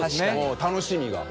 楽しみが。